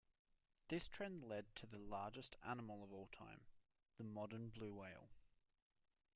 This trend led to the largest animal of all time, the modern blue whale.